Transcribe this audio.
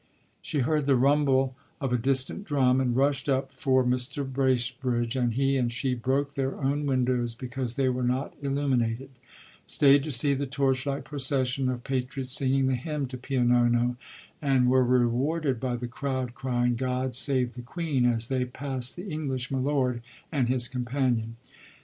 She heard the rumble of a distant drum, and rushed up for Mr. Bracebridge, and he and she broke their own windows because they were not illuminated; stayed to see the torchlight procession of patriots singing the hymn to Pio Nono, and were rewarded by the crowd crying "God save the Queen," as they passed the English "milord" and his companion.